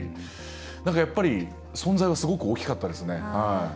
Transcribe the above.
やっぱり、存在はすごく大きかったですね。